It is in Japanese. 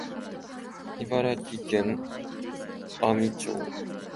茨城県阿見町